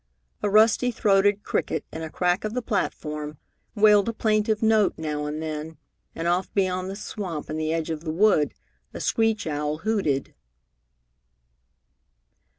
A rusty throated cricket in a crack of the platform wailed a plaintive note now and then, and off beyond the swamp, in the edge of the wood, a screech owl hooted.